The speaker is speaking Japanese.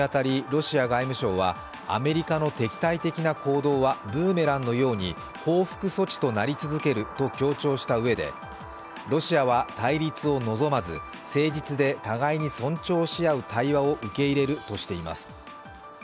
ロシア外務省はアメリカの敵対的な行動はブーメランのように報復措置となり続けると強調したうえでロシアは対立を望まず誠実で互いに尊重し合う対話を受け入れるとしています。